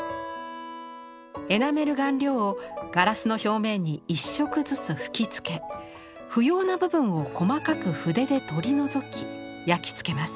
エナメル顔料をガラスの表面に１色ずつ吹きつけ不要な部分を細かく筆で取り除き焼き付けます。